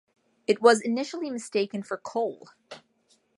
It was initially mistaken for coal.